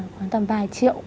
khoảng tầm vài triệu